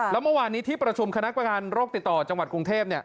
แล้วเมื่อวานนี้ที่ประชุมคณะประการโรคติดต่อจังหวัดกรุงเทพ